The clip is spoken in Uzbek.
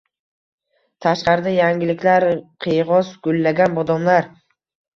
Tashqarida yalangliklar, qiyg‘os gullagan bodomlar!